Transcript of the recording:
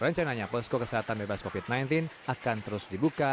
rencananya posko kesehatan bebas covid sembilan belas akan terus dibuka